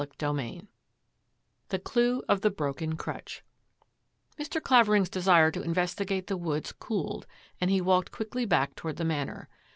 CHAPTER XI THE CLUE OF THE BROKEN CRUTCH Mr. Clavering's desire to investigate the woods cooled and he walked quickly back toward the Manor.